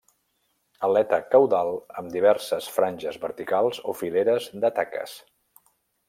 Aleta caudal amb diverses franges verticals o fileres de taques.